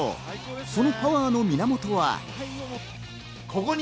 そのパワーの源は。